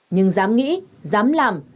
nhưng dám nghĩ dám làm